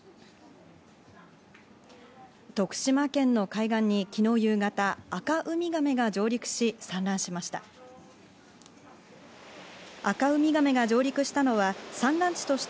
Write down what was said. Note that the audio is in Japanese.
徳島県の海岸に昨日夕方、アカウミガメが上陸し、産卵しました。